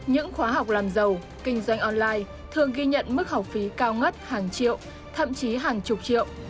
những khóa học làm giàu kinh doanh online thường ghi nhận mức học phí cao ngất hàng triệu thậm chí hàng chục triệu